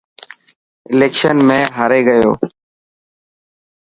اليڪشن ۾ هاري گيو.